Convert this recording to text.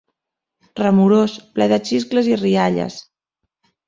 ...remorós, ple de xiscles i rialles